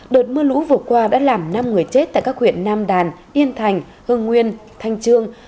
đợt mưa lũ vừa qua đã làm năm người chết tại các huyện nam đàn yên thành hưng nguyên thanh trương